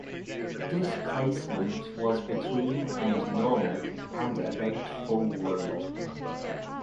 Displacement was between and normal and about full load.